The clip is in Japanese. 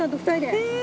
へえ！